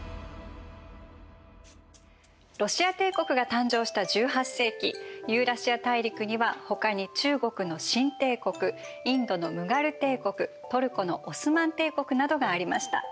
ロシア帝国が誕生した１８世紀ユーラシア大陸にはほかに中国の清帝国インドのムガル帝国トルコのオスマン帝国などがありました。